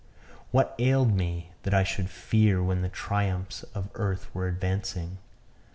What ailed me, that I should fear when the triumphs of earth were advancing?